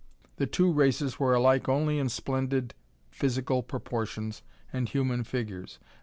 The two races were alike only in splendid physical proportions and human figures.